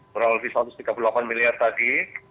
kurang lebih satu ratus tiga puluh delapan miliar tadi